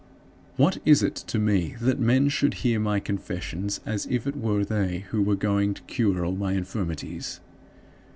What is it to me that men should hear my confessions as if it were they who were going to cure all my infirmities?